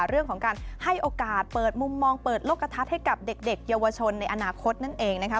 เรื่องของการให้โอกาสเปิดมุมมองเปิดโลกกระทัดให้กับเด็กเยาวชนในอนาคตนั่นเองนะคะ